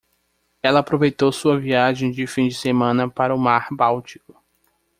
Ela aproveitou sua viagem de fim de semana para o mar báltico.